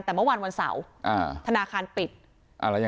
แต่เมื่อวันวันเสาร์อ่าธนาคารปิดอะไรอย่างงั้น